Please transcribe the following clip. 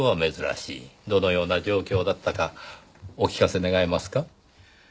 どのような状況だったかお聞かせ願えますか？